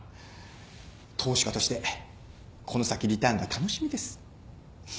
投資家としてこの先リターンが楽しみです。